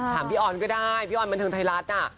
พี่ออนก็ได้พี่ออนบันเทิงไทยรัฐน่ะ